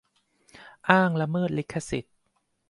อ้างละเมิดลิขสิทธิ์